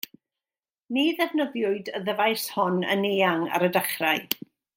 Ni ddefnyddiwyd y ddyfais hon yn eang ar y dechrau.